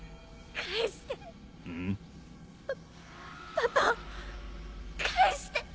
パパパを返して！